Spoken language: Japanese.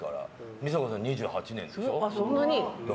美佐子さん、２８年でしょ。